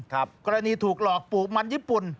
กรณีถูกหลอกปลูกมันญี่ปุ่น